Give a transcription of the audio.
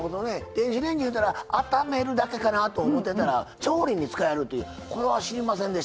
電子レンジいうたらあっためるだけかなと思ってたら調理に使えるというこれは知りませんでした。